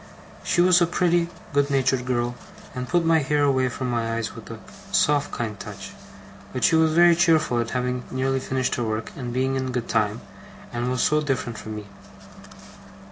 She was a pretty, good natured girl, and put my hair away from my eyes with a soft, kind touch; but she was very cheerful at having nearly finished her work and being in good time, and was so different from me!